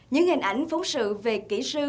những hình ảnh phóng sự về kỹ sư